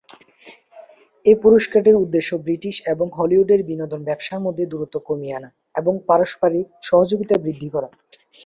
এই পুরস্কারটির উদ্দেশ্য ব্রিটিশ এবং হলিউডের বিনোদন ব্যবসার মধ্যে দূরত্ব কমিয়ে আনা এবং পারস্পারিক সহযোগিতা বৃদ্ধি করা।